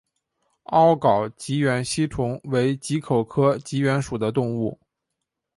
凹睾棘缘吸虫为棘口科棘缘属的动物。